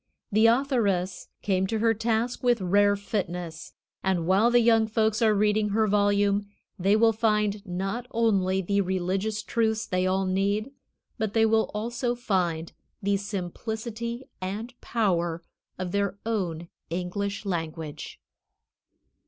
The authoress came to her task with rare fitness, and while the young folks are reading her volume they will find not only the religious truths they all need, but they will also find the simplicity and power of their own English language.